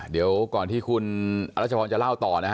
เดี๋ยวก่อนที่คุณรัชพรจะเล่าต่อนะฮะ